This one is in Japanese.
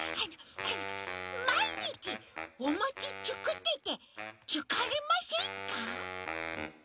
まいにちおもちつくっててつかれませんか？